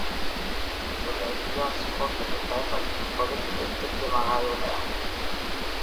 ஒரு எபுல்யோஸ்கோப்பினைப் பயன்படுத்தி கொதிநிலையைத் துல்லியமாக அளவிடலாம்.